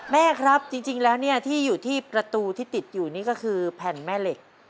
แม่ครับจริงแล้วเนี่ยที่อยู่ที่ประตูที่ติดอยู่นี่ก็คือแผ่นแม่เหล็ก